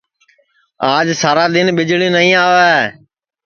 آج سارا دؔن ٻِجݪی نائی آوے